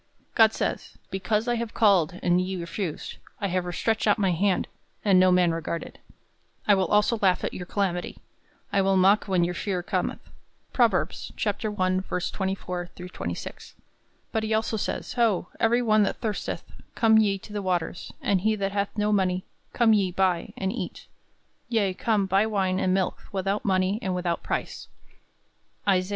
God says, "Because I have called, and ye refused; I have stretched out my hand, and no man regarded;... I also will laugh at your calamity; I will mock when your fear cometh." Prov. I:24 26. But he also says, "Ho, every one that thirsteth, come ye to the waters, and he that hath no money; come ye, buy, and eat; yea, come, buy wine and milk without money and without price." Isa.